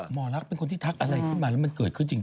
หมอลักษณ์เป็นคนที่ทักอะไรขึ้นมาแล้วมันเกิดขึ้นจริง